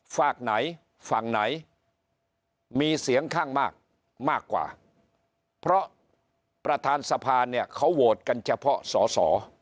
ฝากไหนฝั่งไหนมีเสียงข้างมากมากกว่าเพราะประธานสภาเนี่ยเขาโหวตกันเฉพาะสอสอ